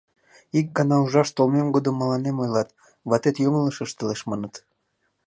Ик гана ужаш толмем годым мыланем ойлат: ватет йоҥылыш ыштылеш, маныт.